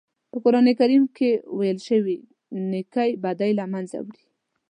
په قرآن کریم کې ویل شوي نېکۍ بدۍ له منځه وړي.